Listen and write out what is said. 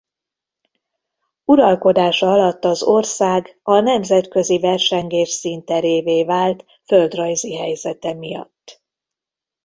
Uralkodása alatt az ország a nemzetközi versengés színterévé vált földrajzi helyzete miatt.